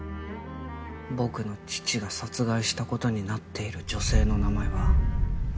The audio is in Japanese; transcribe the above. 僕の父が殺害した事になっている女性の名前は歌川チカさん。